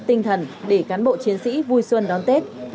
tinh thần để cán bộ chiến sĩ vui xuân đón tết